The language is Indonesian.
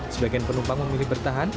sebagian penumpang memilih bertahan